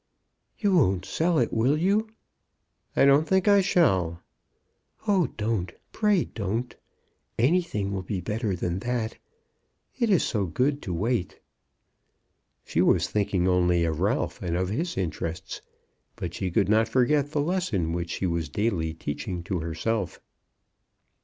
"You won't sell it; will you?" "I don't think I shall." "Oh, don't; pray don't. Anything will be better than that. It is so good to wait." She was thinking only of Ralph, and of his interests, but she could not forget the lesson which she was daily teaching to herself.